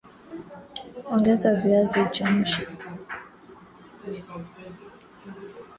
Ongeza viazi ulivyomenya na uchemshe